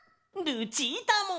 ルチータも！